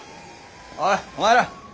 おいお前ら。